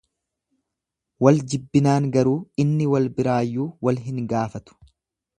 Wal jibbinaan garuu inni wal biraayyuu wal hin gaafatu.